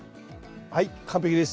はい完璧です。